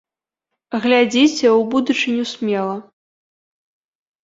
Глядзіце ў будучыню смела!